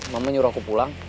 mama nyuruh aku pulang